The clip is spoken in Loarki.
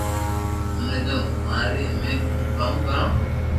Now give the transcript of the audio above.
منو بي مارئي امي ھون ڪاوو ڪارو